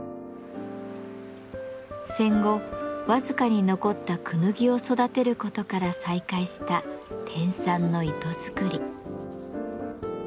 戦後僅かに残ったクヌギを育てることから再開した天蚕の糸づくり。